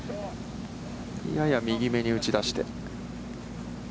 やや右めに打ち出して。